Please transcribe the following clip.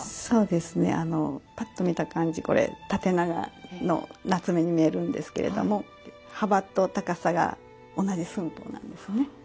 そうですねあのぱっと見た感じこれ縦長の棗に見えるんですけれども幅と高さが同じ寸法なんですね。